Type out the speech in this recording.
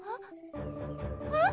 えっ？